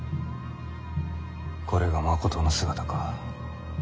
これがまことの姿か。